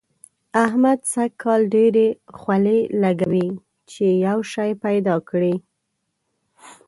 احمد سږ کال ډېرې خولې لګوي چي يو شی پيدا کړي.